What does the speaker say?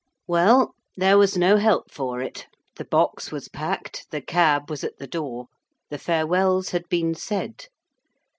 Well, there was no help for it. The box was packed, the cab was at the door. The farewells had been said.